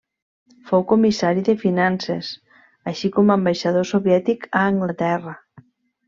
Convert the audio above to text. Fou Comissari de Finances, així com ambaixador soviètic a Anglaterra.